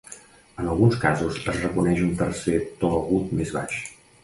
En alguns casos es reconeix un tercer to agut més baix.